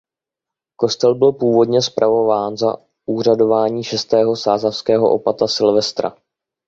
Kostel byl původně spravován za úřadování šestého sázavského opata Silvestra.